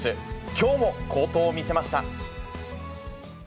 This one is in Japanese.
きょうも好投を見せました。